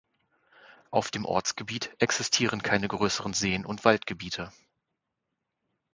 Auf dem Ortsgebiet existieren keine größeren Seen und Waldgebiete.